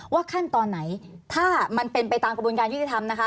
ว่าขั้นตอนไหนถ้ามันเป็นไปตามกระบวนการยุติธรรมนะคะ